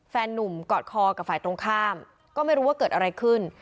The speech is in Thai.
นุ่มกอดคอกับฝ่ายตรงข้ามก็ไม่รู้ว่าเกิดอะไรขึ้น